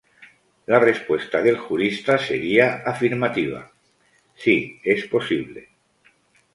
La respuesta del jurista sería afirmativa: sí es posible.